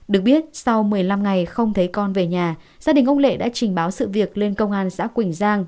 được biết sau một mươi năm ngày không thấy con về nhà gia đình ông lệ đã trình báo sự việc lên công an xã quỳnh giang